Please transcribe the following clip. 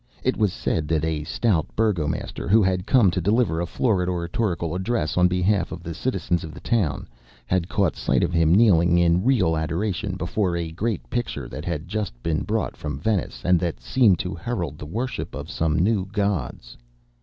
It was said that a stout Burgo master, who had come to deliver a florid oratorical address on behalf of the citizens of the town, had caught sight of him kneeling in real adoration before a great picture that had just been brought from Venice, and that seemed to herald the worship of some new gods.